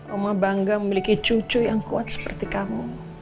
oma bangga memiliki cucu yang kuat seperti kamu